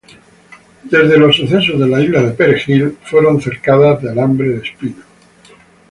Desde los sucesos de la isla de Perejil, fueron cercadas de alambre de espino.